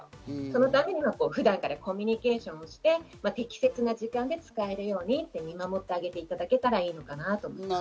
そのためには普段からコミュニケーションをして適切な時間で使えるように見守ってあげていただけたらいいのかなと思います。